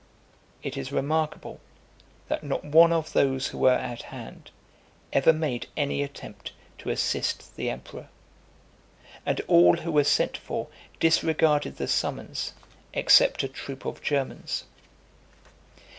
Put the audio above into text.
It is remarkable, that not one of those who were at hand, ever made any attempt to assist the emperor; and all who were sent for, disregarded the summons, except a troop of Germans.